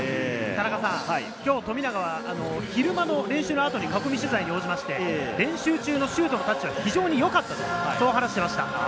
きょう富永は昼間の練習の後に囲み取材に応じて練習中のシュートのタッチは非常に良かったと話していました。